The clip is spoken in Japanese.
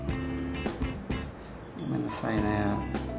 ごめんなさいね。